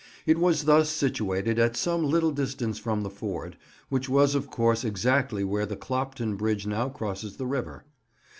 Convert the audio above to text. It was thus situated at some little distance from the ford, which was of course exactly where the Clopton Bridge now crosses the river.